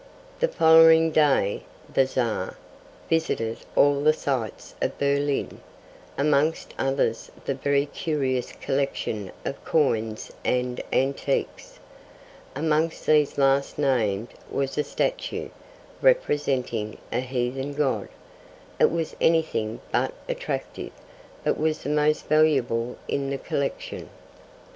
The following day [the Czar] visited all the sights of Berlin, amongst others the very curious collection of coins and antiques. Amongst these last named was a statue, representing a heathen god. It was anything but attractive, but was the most valuable in the collection.